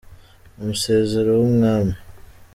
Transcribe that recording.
Umusezero w'umwami.